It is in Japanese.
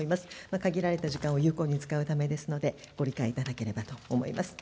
限られた時間を有効に使うためですので、ご理解いただければと思います。